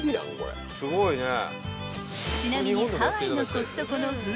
［ちなみに］